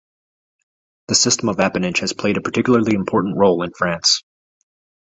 The system of appanage has played a particularly important role in France.